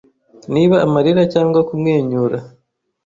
Niba amarira cyangwa kumwenyura